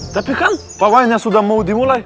tapi kan pawainya sudah mau dimulai